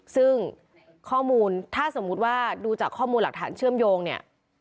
ซึ่งข้อมูลถ้าสมมุติว่าดูจากข้อมูลหลักฐานเชื่อมโยงเนี่ย